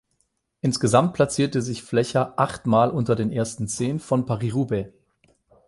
Insgesamt platzierte sich Flecha acht mal unter den ersten Zehn von Paris-Roubaix.